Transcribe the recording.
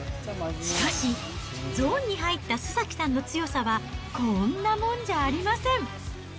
しかし、ゾーンに入った須崎さんの強さはこんなもんじゃありません。